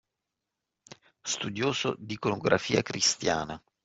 Studioso d'iconografia cristiana.